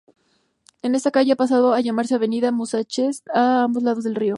Esta calle ha pasado a llamarse Avenida Massachusetts a ambos lados del río.